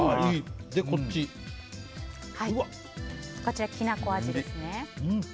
こちらは、きな粉味ですね。